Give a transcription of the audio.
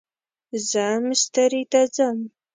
زه مستری ته ځم